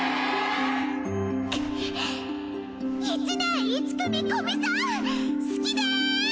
１年１組古見さん好きです！